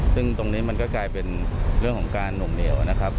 ซึ่งตรงนี้มันก็กลายเป็นเรื่องของการหน่วงเหนียวนะครับ